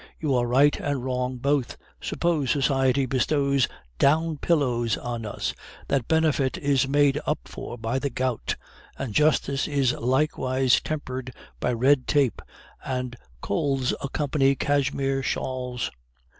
You are right and wrong both. Suppose society bestows down pillows on us, that benefit is made up for by the gout; and justice is likewise tempered by red tape, and colds accompany cashmere shawls."